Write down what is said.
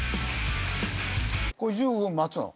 これ１５分待つの？